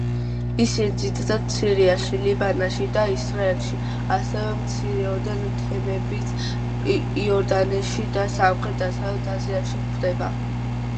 ისინი ძირითადად სირიაში, ლიბანში და ისრაელში, ასევე მცირეოდენი თემებით იორდანიაში და სამხრეთ-დასავლეთ აზიაში გვხდება.